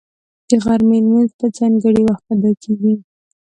د غرمې لمونځ په ځانګړي وخت ادا کېږي